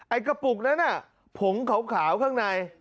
กระปุกนั้นน่ะผงขาวข้างใน